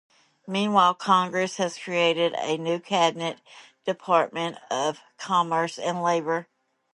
Meanwhile, Congress had created a new Cabinet Department of Commerce and Labor.